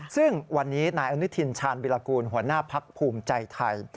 ซึ่งวันนี้นายอนุทินชาญวิรากูลหัวหน้าพักภูมิใจไทย